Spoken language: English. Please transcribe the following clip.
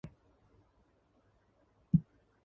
Along the sides are chapels and confessionals.